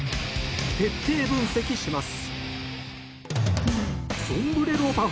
徹底分析します。